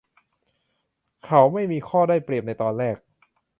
เขาไม่มีข้อได้เปรียบในตอนแรก